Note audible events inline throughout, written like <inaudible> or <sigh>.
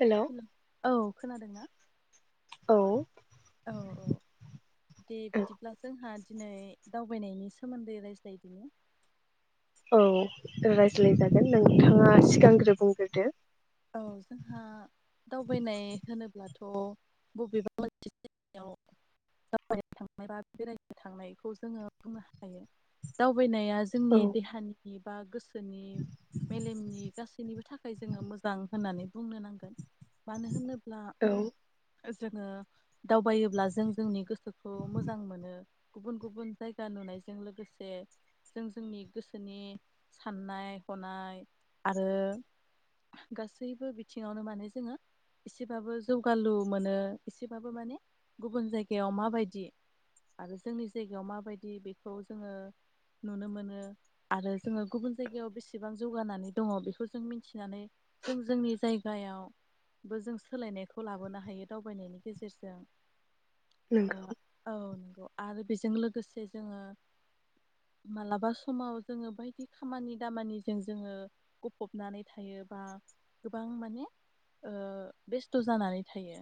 Hello औ। खोनादों ना? औ। औ औ दे बिदिब्ला जोंहा दिनै दावबायनायनि सोमोन्दै रायज्लायदिनि औ रायज्लायजागोन नोंथाङा सिगांग्रो बुंग्रोदो। औ जोंहा दावबायनाय होनोब्लाथ' बबेबा मोनसे जायगायाव दावबायनो थांनायबा बेरायनो थांनायखौ जोङो बुंनो हायो। दाल दावबायनाया औ जोंनि देहानि एबा गोस सोनि मेलेमनि गासैनिबो थाखाय जोङो मोज होननानै बुंनो नांगोन। मानो होनोब्ला औ जोङो दावबायोब्ला जों जोंनि गोसोखौ मोजां मोनो गुबुन गुबुन जायगा नुनायजों लोगोसे जों जोंनि गोसोनि साननाय हनाय आरो। गासैबो बिथिङावनो माने जोङो एसेबाबो जौगालु मोनो एसेबाबो माने गुबुन जायगायाव माबायदि आरो जोंनि जायगायाव माबायदि बेखौ जोङो नुनो मोनो आरो जोङो गुबुन जायगायाव बेसेबां जौगानानै दङ बेखौ जों मिथिनानै। जों जोंनि जायगायावबो जों सोलायनायखौ लाबोनो हायो दावबायनायनि गेजेरजों। ओ नंगौ औ नंगौ। आरो बेजों लोगोसे जोङो मालाबा समाव जोङो बायदि खामानि दामानिजों जोङो गफबनानै थायो। बा गोबां माने ओ बेस्थ जानानै थायो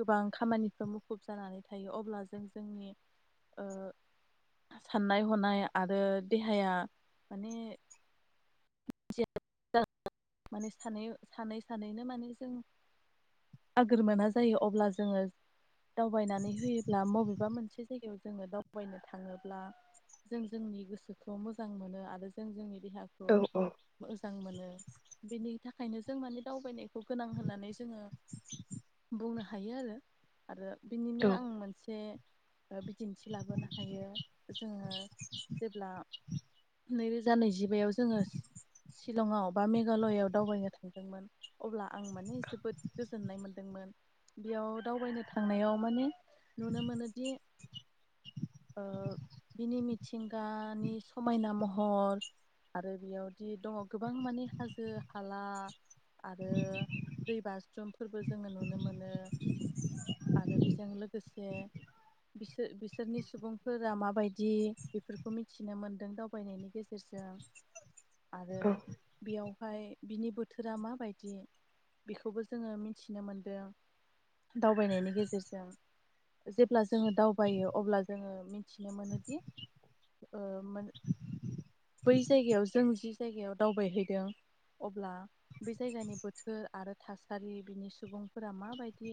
गोबां खामानिफ्रा मुखुब जानानै थायो अब्ला जों जोंनि ओ साननाय हनाय आरो देहाया माने। माने सानै सानै सानैनो माने जों आगोर मोना जायो अब्ला जोङो दावबायनानै होयोब्ला बबेबा मोनसे जायगायाव जोङो दावबायनो थाङोब्ला जों जोंनि गोसोखौ मोजां मोनो आरो जों जोंनि। देहाखौ औ औ मोजां मोनो। नि थाखायनो जों माने दावबायनायखौ गोनां होननानै जोङो बुंनो हायो आरो आरो बिनिनो औ आं मोनसे। ओ बिदिन्थि लाबोनो हायो जोङो जेब्ला नैरोजा नैजिबायाव जोङो शिलंआव। बा मेघालयआव दावबायनो थांदोंमोन अब्ला आं माने जोबोद गोजोननाय मोनदोंमोन बेयाव दावबायनो थांनायाव माने नुनो मोनोदि ओ बिनि मिथिंगानि समायना महर आरो बेयावदि दङ गोबां माने। हाजो हाला आरो दै बाज्रुमफोरबो जोङो नुनो मोनो आरो बेजों लोगोसे बिसोर बिसोरनि सुबुंफोरा माबायदि बेफोरखौ मिथिनो मोनदों दावबायनायनि गेजेरजों। आरो औ बेयावहाय बिनि बोथोरा माबायदि बेखौबो जोङो मिथिनो मोनदों दावबायनायनि गेजेरजों जेब्ला जोङो दावबायो अब्ला जोङो मिथिनो मोनोदि ओ बै जायगायाव जों जि जायगायाव दावबायहै दों अब्ला बे जायगानि बोथोर आरो थासारि बिनि सुबुंफोरा माबायदि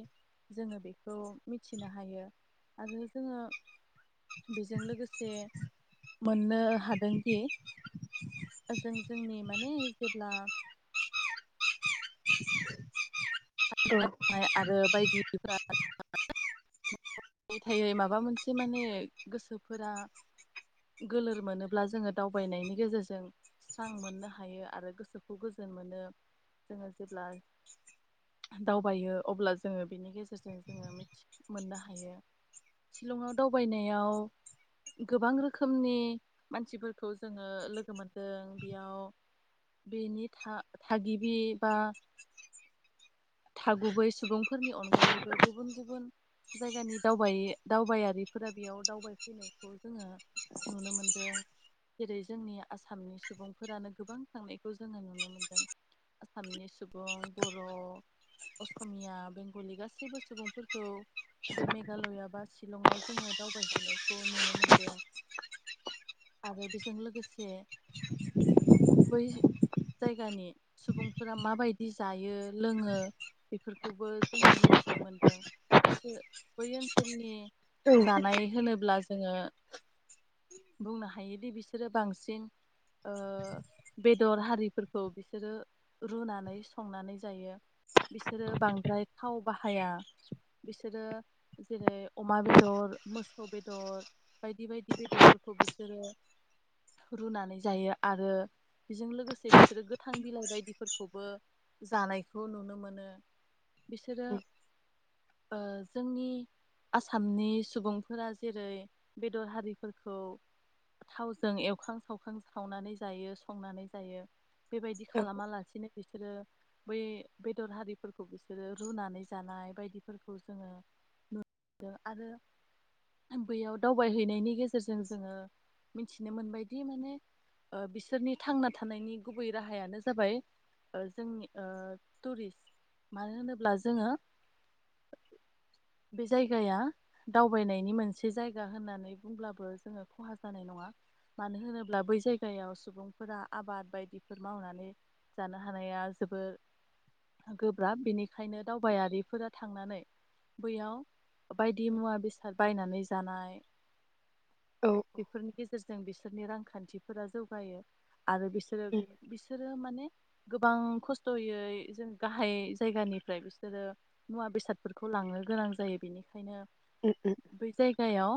जोङो बेखौ मिथिनो हायो आरो जोङो। बेजों लोगोसे। मोननो हादोंदि ओजों जोंनि माने। जेब्ला। <inaudible> औ माइ आरो <inaudible> माबा मोनसे माने गोसोफोरा गोलोर मोनोब्ला जोङो दावबायनायनि गेजेरजों स्रां मोननो हायो आरो गोसोखौ गोजोन मोनो जोङो जेब्ला दावबायो अब्ला जोङो बेनि गेजेरजों जोङो मिथि मोननो हायो शिलंआव दावबायनायाव गोबां रो खोमनि मानसिफोरखौ जोङो लोगो मोनदों बेयाव बेनि था थागिबि बा था गुबै सुबुंफोरनि अनगायैबो गुबुन गुबुन जायगानि दावबाय दावबायारिफोरा बेयाव दावबायफैनायखौ जोङो। नुनो मोनदों जेरै जोंनि आसामनि सुबुंफोरानो गोबां थांनायखौ जोङो नुनो मोनदों आसामनि सुबुं बर' असमिया बेंगलि गासैबो सुबुंफोरखौ बे मेघालया बा शिलंआव जोङो दावबायहैनायखौ नुनो मोनदों। आरो बेजों लोगोसे बै जायगानि सुबुंफोरा माबायदि जायो लोङो बेफोरखौबो जोङो मिथिनो मोनदों बिसोर बै ओनसोलनि। औ जानाय होनोब्ला। जोङो। बुंनो हायोदि बिसोरो बांसिन ओ बेदर हारिफोरखौ बिसोरो रुनानै संनानै जायो बिसोरो बांद्राय थाव बाहाया बिसोरो जेरै अमा बेदर मोसौ बेदर बायदि बाय दि बेदरफोरखौ बिसोरो रुनानै जायो आरो बेजों लोगोसे बिसोरो गोथां बिलाइ बायदिफोरखौबो जानायखौ नुनो मोनो। बिसोरो। ओ जोंनि आसामनि सुबुंफोरा जेरै बेदर हारि फोरखौ थावजों एवखां सावखां सावनानै जायो संनानै जायो। बेबायदि औ खालामालासिनो बिसोरो। बै बेदर हारिफोरखौ बिसोरो रुनानै जानाय बायदिफोरखौ जोङो नुदों आरो बैयाव दावबायहैनायनि गेजेर जों जोङो। मिथिनो मोनबायदि माने ओ बिसोरनि थांना थानायनि गुबै राहायानो जाबाय ओ जोंनि ओ टुरिस्ट मानो होनोब्ला जोङो बे जायगाया दावबायनायनि मोनसे जायगा होननानै बुंब्ला बो जोङो खहा जानाय नङा मानो होनोब्ला बै जायगायाव सुबुंफोरा आबाद बायदिफोर मावनानै जानो हानाया जोबोर गोब्राब बेनिखायनो दावबायारिफोरा थांनानै बैयाव। बायदि मुवा बेसाद बायनानै। जानाय बेफोरनि गेजेरजों बिसोरनि रां खान्थिफोरा जौगायो आरो बिसोरो बिसोर बिसोरो माने गोबां खस्थयैै जों गाहाय जायगानिफ्राय बिसोरो मुवा बेसादफोरखौ लांनो गोनां जायो बेनिखायनो बै जायगायाव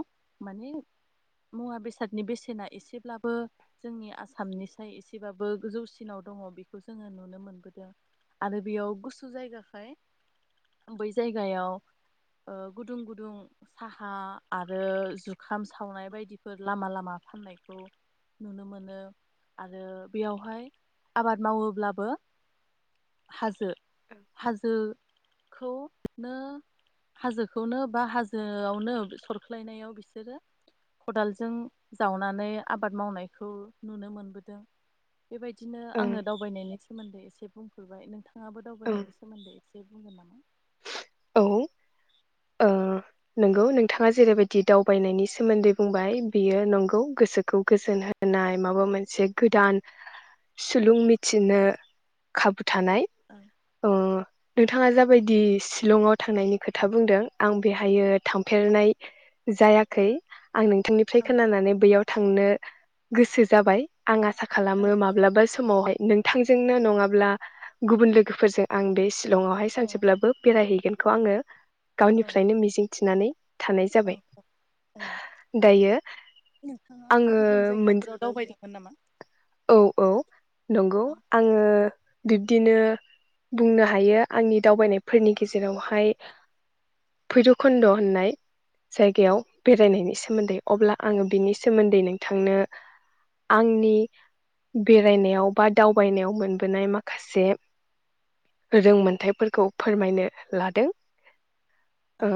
माने मुवा बेसादनि बेसेना एसेब्लाबो जोंनि आसामनि साय एसेबाबो गोजौसिनाव दङ बेखौ जोङो नुनो मोनबोदों आरो बेयाव गुसु जायगाखाय बै जायगायाव ओ गुदुं गुदुं साहा आरो जुखाम सा सावनाय बायदिफोर लामा लामा फाननायखौ नुनो मोनो आरो बेयावहाय आबाद मावोब्लाबो हाजो हाजो खौनो हाजोखौनो बा हाजोआवनो सरख्लायनायाव बिसोरो खदालजों जावनानै आबाद मावनायखौ नुनो मोनबोदों। बेबायदिनो ओं आङो दावबायनि सोमोन्दै एसे बुंफोररबाय नोंथां नोंथांआबो ओं दावबायनायनि सोमोन्दै एसे बुंगोन नामा? औ ओ नंगौ नोंथाङा जेरैबायदि दावबायनायनि सोमोन्दै बुंबाय बियो नंगौ गोसोखौ गोजोन होनाय माबा मोनसे गोदान सुलुं मिथिनो खाबु थानाय औ ओ द थाङा जा माबायदि शिलंआव थांनायनि खोथा बुंदों आं बेहाय थांफेरनाय जायाखै आं नोंथांनिफ्राय औ खोनानानै बैयाव थांनो गोसो जाबाय आं आसा खालामो माब्लाबा समावहाय नोंथांजों जोंनो नङाब्ला गुबुन लोगोफोरजों आं बे शि सिलङावहाय औ सानसे बेरायहैगोनखौ आङो औ गावनिफ्रायनो मिजिं थिनानै थानाय औ जाबाय औ दायो नोंथाङा आङो गुबुन मोन जायगाफोराव दावबायदोंमोन नामा? औ औ नंगौ आङो बिब्दिनो बुंनो हायो आंनि दावबायनायफोरनि गेजेरावहाय भैरभकुन्द होननाय जायगायाव बेरायनायनि सोमोन्दै अब्ला औ आङो बिनि सोमोन्दै नों नोंथांनो आंनि बेरायनायाव बा दावबायनायाव मोनबोनाय माखासे रोंमोनथायाइफोर खौ फोरमायनो लादों औ ओ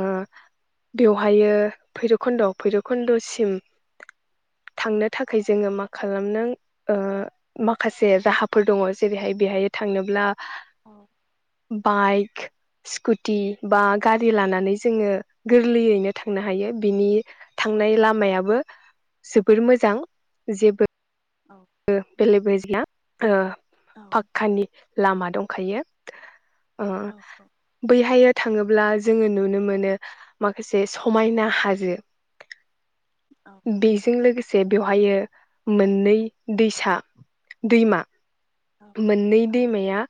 बेवहायो भैरबकुन्द भैराबकुन्दसिम थांनो थाखाय जोङो मा खालामनो ओ माखासे राहाफोर दङ जेरैहाय बेहाय थांनोब्ला औ बाइक, स्कुटि बा गारि लानानै जोङो गोरलैयैनो थांनो हायो बिनि औ थांनाय लामायाबो जोबोर मोजां जेबो औ बेले बेजे <unintelligible> ओ औ फाख्खानि लामा दंखायो ओ औ बैहाययो थाङोब ब्ला जोङो नुनो मोनो माखासे समायना हाजो बेजों लोगोसे बेवहायो मोननै दैसा दैमा मोननै दैमाया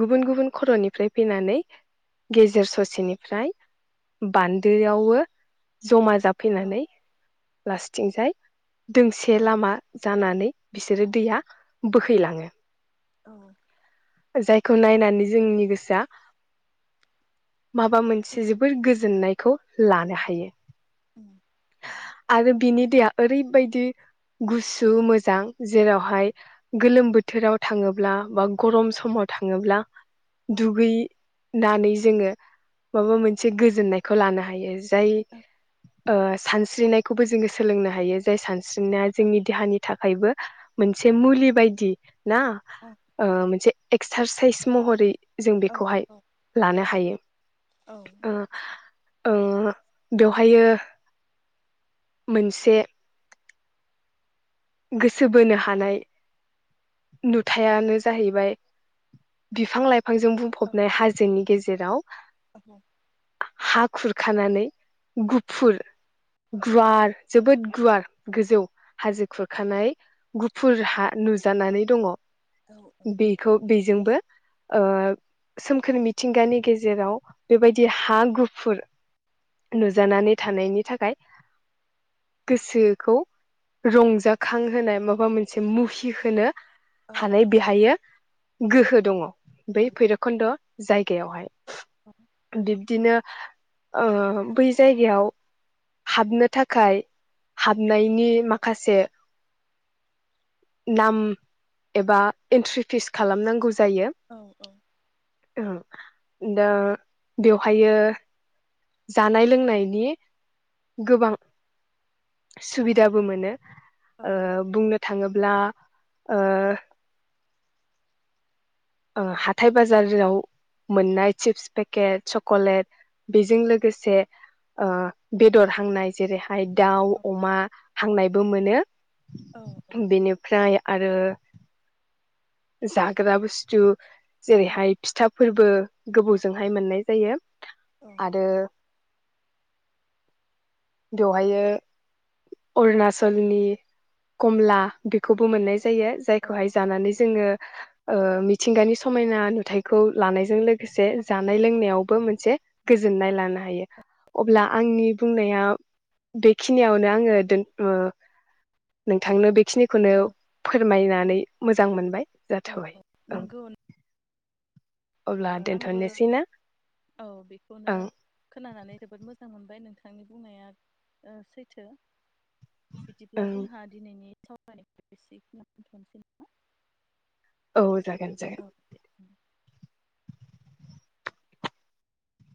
गुबुन गुबुन खर'निफ्राय फैनानै गेजेर ससेनिफ्राय बान्दोआववो जमा औ जाफैनानै लास्टिं जाय दोंसे लामा जानानै बिसोरो दैया बोहैलाङो औ जायखौ नायनानै जोंनि गोसोआ माबा मोनसे जोबोर गोजोननायखौ लानो हायो हायो उम आरो बिनि दैया ओरैबायदि गुसु मोजां जेरावहाय गोलोम बोथोराव थाङोब्ला बा गरम समाव थाङोब्ला औ दुगै नानै जोङो माबा मोनसे गोजोननायखौ लानो हायो <unintelligible> ओ सान स्रिनायखौबो जोङो सोलोंनो हायो जाय सानस्रि स्रिनाया औ जोंनि देहानि थाखायबो मोनसे मुलि बायदि ना मोनसे एक्सारसाइस महरै जों औ बेखौहाय औ लानो हायो औ ओ ओ बेवहायो मोनसे गोसो बोनो हानाय नुथायानो जाहैबाय बिफां लाइ फांजों औ बुंफबनाय हाजोनि गेजेराव औ हा खुर खानानै गुफुर गुवार जोबोद गुवार गोजौ हाजो खुरखानाय गुफुरहा नुजानानै दङ बेखौ बेजोंबो ओ सोमखोर मिथिंगानि गेजेराव बेबायदि हा गुफुर नुजानानै थानायनि थाखाय गोसो खौ रंजा जाखां होनाय माबा मोनसे मुहि होनो हानाय बिहायो गोहो दङ औ बै भैरबकुन्द जायगा जायगायावहाइ बिबदिनो ओ बै जायगायाव हाबनो थाखाय हाबनायनि माखासे नाम एबा एन्ट्रि फिस खालामनांगौ। जायो औ दा बेवहायो जानाय लोंनायनि गोबां सुबिदाबो मोनो ओ बुंनो थाङो ब्ला ओ ओ हाथाय बाजाराव मोननाय चिप्स पेकेट चकलेट बेजों लोगोसे ओ बेदर हांनाय जेरै दाउ अमा हांनाय बो मोनो बेनिफ्राय आरो जाग्रा बुस्तु थु जेरैहाय फिथा फोरबो गोबौजोंहाय मोननाय जायो आरो बेवहायो अरुणाचलनि कमला बेखौबो मोननाय जायो। जायो जायखौहाय जानानै जोङो ओ मि मिथिंगानि समायना नुथायखौ लानायजों लोगोसे जानाय लोंनायावबो मोनसे गोजोननाय लानो हायो अब्ला आंनि बुंनाया बेखिनियावनो आङो दोन ओ नोंथांनो बेखिनिखौनो फोरमायनानै मोजां मोनबाय जाथबाय औ <inaudible> अब्ला आंबो दोनथ'नोसै ना औ बेखौनो ओं खोनानानै जोबोद मोजां मोजां मोनबाय नोंथांनि बुंनाया ओ सैथो। बिदिब्ला ओं जोंहा दिनैनि <unintelligible> औ जागोन औ जागोन। दे